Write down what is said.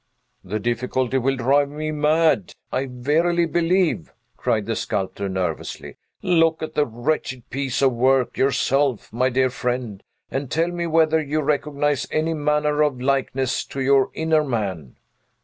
"The difficulty will drive me mad, I verily believe!" cried the sculptor nervously. "Look at the wretched piece of work yourself, my dear friend, and tell me whether you recognize any manner of likeness to your inner man?"